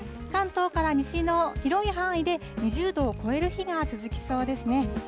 関東から西の広い範囲で２０度を超える日が続きそうですね。